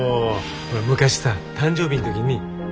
昔さ誕生日の時に。